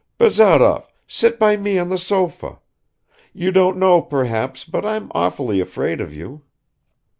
Bazarov, sit by me on the sofa. You don't know, perhaps, but I'm awfully afraid of you."